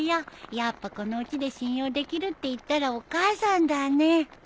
やっぱこのうちで信用できるっていったらお母さんだね。